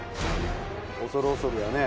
恐る恐るやね。